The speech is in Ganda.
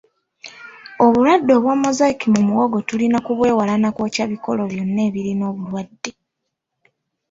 Obulwadde obwa Mosaic mu muwogo tulina kubwewala na kwokya bikolo byonna ebirina obulwadde.